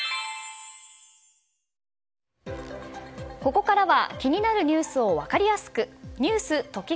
ここからは気になるニュースを分かりやすく。